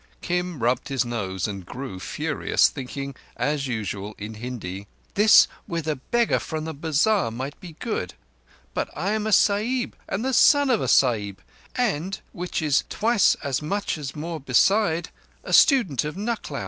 Kim rubbed his nose and grew furious, thinking, as usual, in Hindi. "This with a beggar from the bazar might be good, but—I am a Sahib and the son of a Sahib and, which is twice as much more beside, a student of Nucklao.